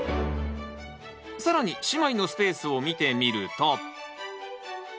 更に姉妹のスペースを見てみると。